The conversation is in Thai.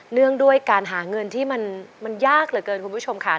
งด้วยการหาเงินที่มันยากเหลือเกินคุณผู้ชมค่ะ